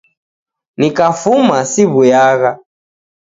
Nikafuma siw'uyagha!